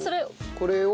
これを。